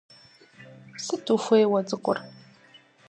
Сыт ухуей уэ цӀыкӀур?